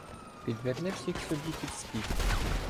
Підверне всіх собі під спід.